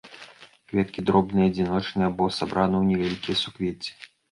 Кветкі дробныя, адзіночныя або сабраны ў невялікія суквецці.